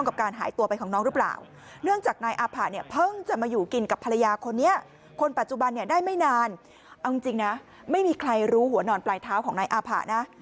บ้านเนี่ยได้ไม่นานเอาจริงนะไม่มีใครรู้หัวหนอนปลายเท้าของนายอาผะนะ